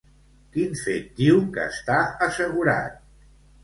Quin fet diu que està assegurat?